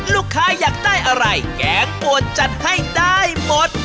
ลูกค้าอยากได้อะไรแกงปวดจัดให้ได้หมด